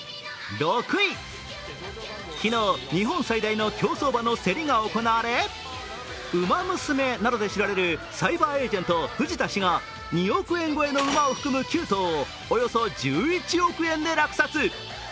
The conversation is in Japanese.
昨日、日本最大の競走馬の競りが行われ「ウマ娘」などで知られるサイバーエージェント・藤田氏が２億円超えの馬を含む９頭をおよそ１１億円で落札。